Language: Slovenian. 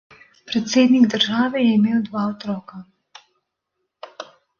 Predsednik države je imel dva otroka.